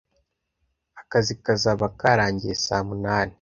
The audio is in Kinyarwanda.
Akazi kazaba karangiye saa munani.